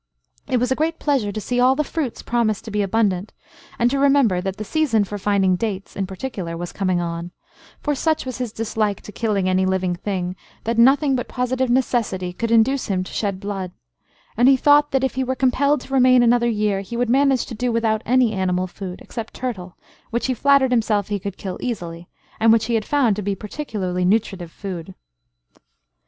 It was a great pleasure to see all the fruits promised to be abundant, and to remember that the season for finding dates, in particular, was coming on; for such was his dislike to killing any living thing, that nothing but positive necessity could induce him to shed blood; and he thought, that if he were compelled to remain another year, he would manage to do without any animal food, except turtle, which he flattered himself he could kill easily, and which he had found to be particularly nutritive food.